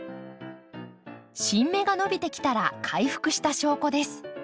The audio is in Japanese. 新芽が伸びてきたら回復した証拠です。